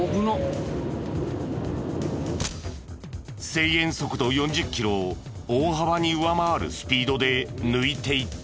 制限速度４０キロを大幅に上回るスピードで抜いていった。